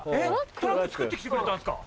トラックつくってきてくれたんですか。